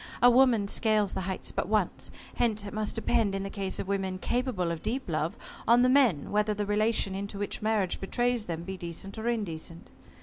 A woman scales the heights but once. Hence it must depend, in the case of women capable of deep love on the men whether the relation into which marriage betrays them be decent or indecent.